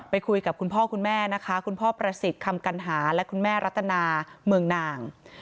คุยกับคุณพ่อคุณแม่นะคะคุณพ่อประสิทธิ์คำกัณหาและคุณแม่รัตนาเมืองนาง